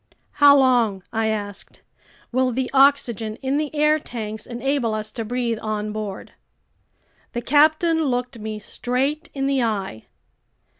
"How long," I asked, "will the oxygen in the air tanks enable us to breathe on board?" The captain looked me straight in the eye.